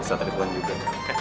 ustaz tadi pun juga